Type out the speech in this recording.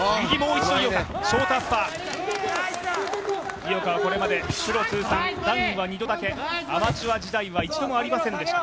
井岡はこれまで通算ダウンは２度だけ、アマチュア時代は一度もありませんでした。